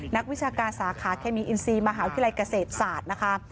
นักวิชาการสาขาเคมีอินซีมหาวิทยาลัยเกษตรศาสตร์นะคะ